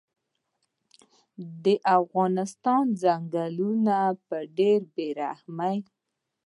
د افغانستان ځنګلونه په ډیره بیرحمۍ